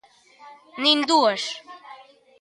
Nin dúas...